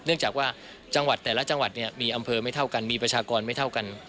จากว่าจังหวัดแต่ละจังหวัดเนี่ยมีอำเภอไม่เท่ากันมีประชากรไม่เท่ากัน